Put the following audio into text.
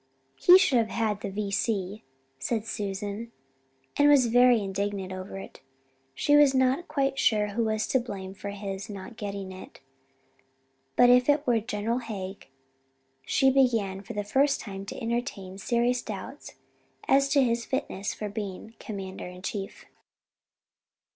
"He should have had the V.C.," said Susan, and was very indignant over it. She was not quite sure who was to blame for his not getting it, but if it were General Haig she began for the first time to entertain serious doubts as to his fitness for being Commander in Chief.